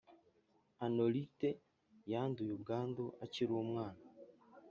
Anuaritte yanduye ubwandu akirumwana